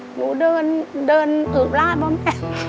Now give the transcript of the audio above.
หนูเดินอึดลาดมาแม่